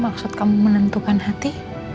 maksud kamu menentukan hati